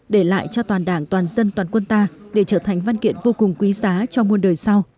để lại cho toàn đảng toàn dân toàn quân ta để trở thành văn kiện vô cùng quý giá cho muôn đời sau